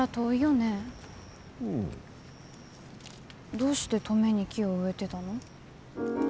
どうして登米に木を植えてたの？